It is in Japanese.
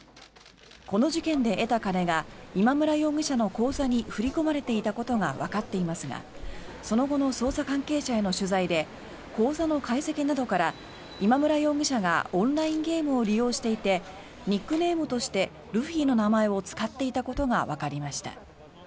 この事件で得た金が今村容疑者の口座に振り込まれていたことがわかっていますがその後の捜査関係者への取材で口座の解析などから今村容疑者がオンラインゲームを利用していてニックネームとしてルフィの名前を使っていたことがわかりました。